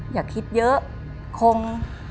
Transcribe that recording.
อย่าคิดเยอะคง